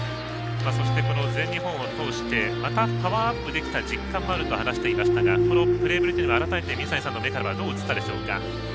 そして、全日本を通してパワーアップできた実感もあると話していましたがこのプレーぶりというのは改めて、水谷さんの目からはどう映ったでしょうか。